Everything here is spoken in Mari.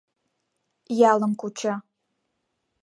Ялым куча.